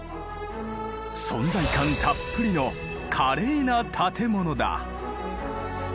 存在感たっぷりの華麗な建物だ。